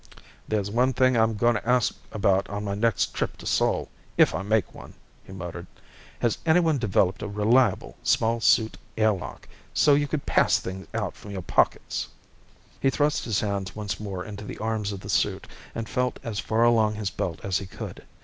"There's one thing I'm going to ask about on my next trip to Sol if I make one!" he muttered. "Has anyone developed a reliable, small suit air lock, so you can pass things out from your pockets?" He thrust his hands once more into the arms of the suit, and felt as far along his belt as he could.